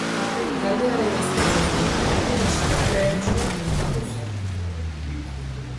Taldearen azken urte eta erdia oso gorabeheratsua gertatu zen.